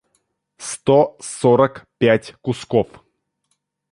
сто сорок пять кусков